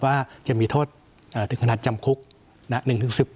ว่าจะมีโทษจำคลุก๑ถึง๑๐ปี